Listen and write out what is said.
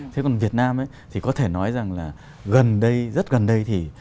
thế còn việt nam thì có thể nói rằng là gần đây rất gần đây thì